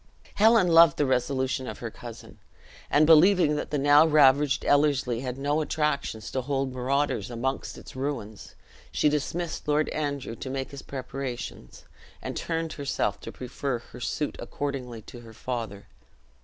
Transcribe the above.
Helen loved the resolution of her cousin; and believing that the now ravaged Ellerslie had no attractions to hold marauders amongst its ruins, she dismissed Lord Andrew to make his preparations, and turned herself to prefer her suit accordingly to her father.